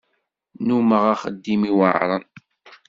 Nnumeɣ axeddim iweɛren.